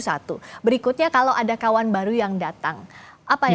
lalu bagaimana menjaga kekompakan di dalam koalisi indonesia maju satu